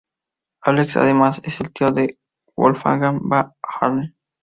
Alex además es el tío de Wolfgang Van Halen.